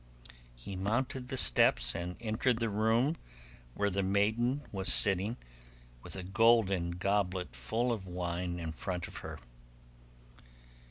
He mounted the steps and entered the room where the maiden was sitting, with a golden goblet full of wine in front of her.